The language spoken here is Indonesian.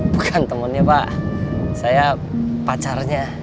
bukan temannya pak saya pacarnya